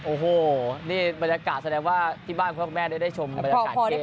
โอ้โหนี่บรรยากาศแสดงว่าที่บ้านพ่อกับแม่ได้ชมบรรยากาศเกม